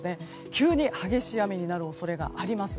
急に激しい雨になる恐れがあります。